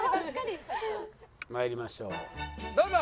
まいりましょうどうぞ。